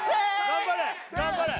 頑張れ